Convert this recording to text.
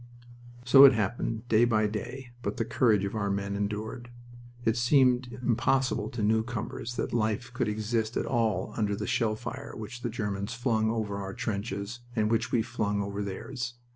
So it happened, day by day, but the courage of our men endured. It seemed impossible to newcomers that life could exist at all under the shell fire which the Germans flung over our trenches and which we flung over theirs.